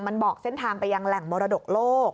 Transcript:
มันบอกเส้นทางไปยังแหล่งมรดกโลก